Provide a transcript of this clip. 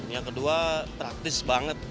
yang kedua praktis banget